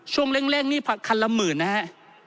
ช่วงเร่งนี่คันละหมื่นนะฮะ